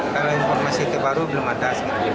kalau informasi terbaru belum ada